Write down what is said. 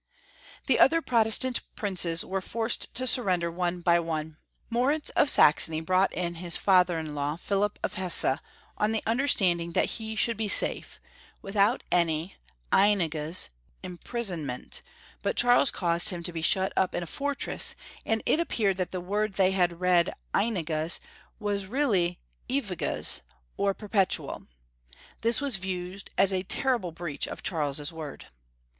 The other Protestant princes were forced to sur render, one by one. Moritz of Saxony brought in his father in law, Philip of Hesse, on the under standing that he should be safe, without a.ny (^einiges) imprisonment, but Charles caused him to be shut up in a foi tress, and it appeared that the word they had read einiges was really ewiges, or perpetual. This was viewed as a terrible breach of Charles's word.